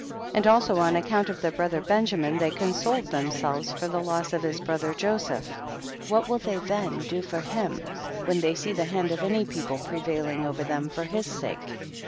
And also on account oi their brother Benjamin they consoled themselves for the loss of his brother Joseph; what will they /Aen doforhim when they see the hand of any people prevailing over ihem, for his sake